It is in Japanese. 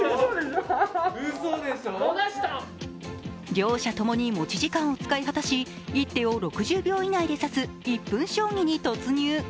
両者ともに持ち時間を使い果たし１手を６０秒以内で指す１分将棋に突入。